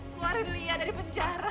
keluarin lia dari penjara